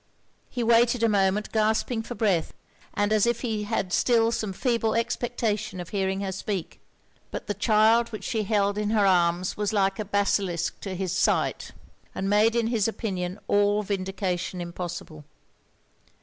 He waited a moment, gasping for breath, and as if he had still some feeble expectation of hearing her speak. But the child which she held in her arms was like a basilisk to his sight, and made in his opinion all vindication impossible.